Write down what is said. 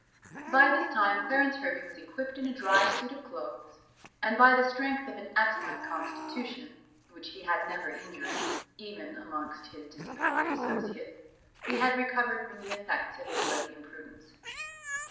By this time Clarence Hervey was equipped in a dry suit of clothes; and by the strength of an excellent constitution, which he had never injured, even amongst his dissipated associates, he had recovered from the effects of his late imprudence.